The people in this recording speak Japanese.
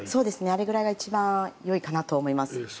あれぐらいが一番いいかなと思います。